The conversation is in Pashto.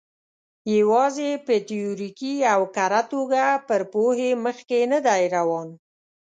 یوازې په تیوریکي او کره توګه پر پوهې مخکې نه دی روان.